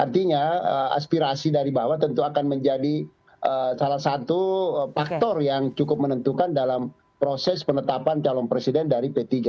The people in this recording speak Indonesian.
artinya aspirasi dari bawah tentu akan menjadi salah satu faktor yang cukup menentukan dalam proses penetapan calon presiden dari p tiga